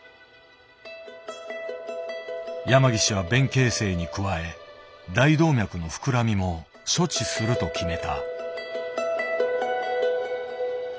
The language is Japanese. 山岸は弁形成に加え大動脈の膨らみも処置すると決めた。